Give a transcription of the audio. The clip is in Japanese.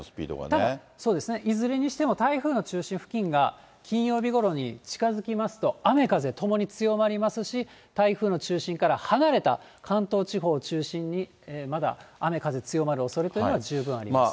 ただ、いずれにしても、台風の中心付近が金曜日ごろに近づきますと、雨風ともに強まりますし、台風の中心から離れた関東地方を中心に、まだ雨風強まるおそれというのは、十分あります。